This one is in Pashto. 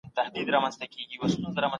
په څېړنه کې اخلاقي معیارونه تر هر څه لوړ دي.